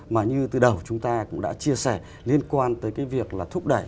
mà như từ đầu chúng ta cũng đã chia sẻ liên quan tới cái việc là thúc đẩy